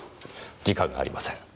時間がありません。